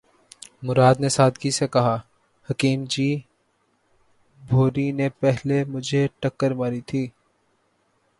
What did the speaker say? مراد نے سادگی سے کہا:”حکیم جی! بھوری نے پہلے مجھے ٹکر ماری تھی۔